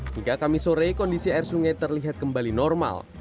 hingga kami sore kondisi air sungai terlihat kembali normal